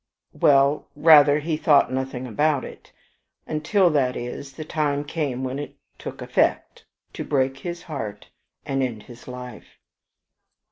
"Well, rather, he thought nothing about it. Until, that is, the time came when it took effect, to break his heart and end his life."